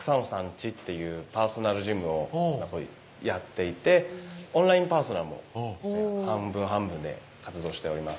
家っていうパーソナルジムをやっていてオンラインパーソナルも半分半分で活動しております